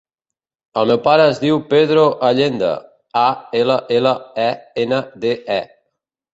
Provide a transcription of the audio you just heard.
El meu pare es diu Pedro Allende: a, ela, ela, e, ena, de, e.